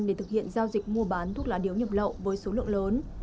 để thực hiện giao dịch mua bán thuốc lá điếu nhập lậu với số lượng lớn